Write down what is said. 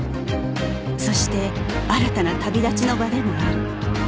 そして新たな旅立ちの場でもある